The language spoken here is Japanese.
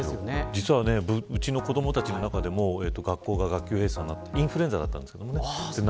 実は、うちの子どもたちも学校が学級閉鎖でインフルエンザだったんですけど。